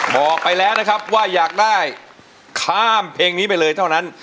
บอกไปแล้วนะครับว่าอยากได้ข้ามเพลงนี้ไปเลยเท่านั้น